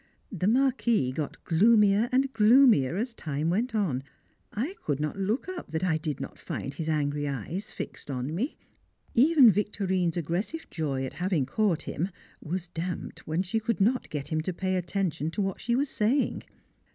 The Marquis got gloomier and gloomier as time went on. I could not look up that I did not find his angry eyes fixed on me. Even Victorine's aggressive joy at having caught him was damped when she could not get him to pay attention to what she was saying.